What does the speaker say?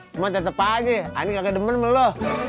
cuma tetep aja ani gak ke demen sama lo